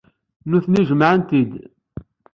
Nutni jemmɛen-t-id.